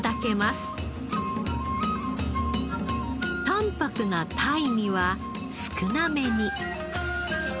淡泊なタイには少なめに。